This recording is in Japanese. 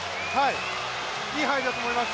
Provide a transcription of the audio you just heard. いい入りだと思います。